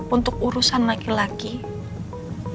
untuk urusan laki lakinya